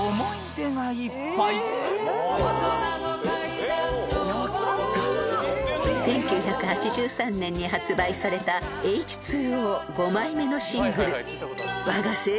「大人の階段昇る」［１９８３年に発売されたＨ２Ｏ５枚目のシングル］